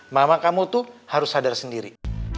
mama kamu tuh harus sadar sendiri